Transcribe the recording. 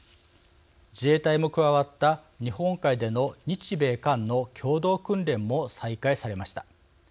自衛隊も加わった日本海での日米韓の共同訓練も再開されました。